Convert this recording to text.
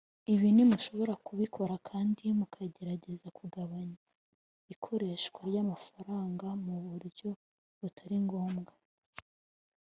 Ibi nimushobora kubikora kandi mukagerageza kugabanya ikoreshwa ry’amafaranga mu buryo butari ngombwa